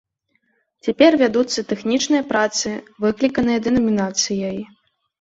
Цяпер вядуцца тэхнічныя працы, выкліканыя дэнамінацыяй.